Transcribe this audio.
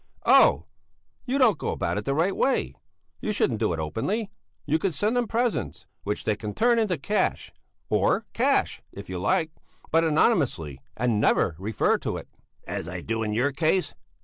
"Oh! You don't go about it in the right way! You shouldn't do it openly, you could send them presents which they can turn into cash, or cash, if you like, but anonymously, and never refer to it." "As I do in your case!